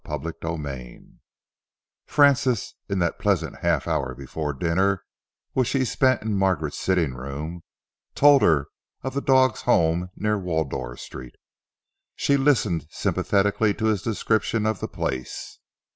CHAPTER XXIV Francis, in that pleasant half hour before dinner which he spent in Margaret's sitting room, told her of the dogs' home near Wardour Street. She listened sympathetically to his description of the place.